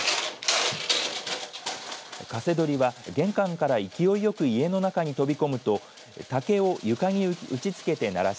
カセドリは玄関から勢いよく家の中に飛び込むと竹を床に打ちつけて鳴らし